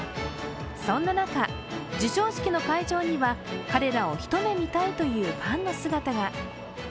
そんな中、授賞式の会場には彼らを一目見たいというファンの姿が。